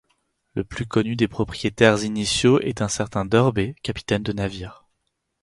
Le plus connu des propriétaires initiaux est un certain Durbé, capitaine de navire.